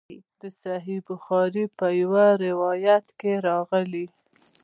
د صحیح بخاري په یوه روایت کې راغلي.